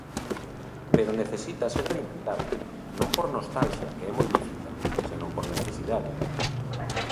Pero necesita ser alimentado, non por nostalxia que é moi lícita, senón por necesidade.